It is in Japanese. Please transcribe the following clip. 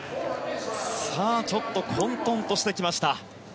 ちょっと混沌としてきました。